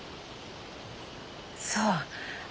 そう。